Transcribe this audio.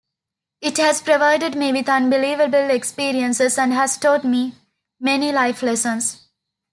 It has provided me with unbelievable experiences and has taught me many life lessons.